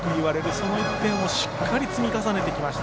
その１点をしっかり積み重ねてきました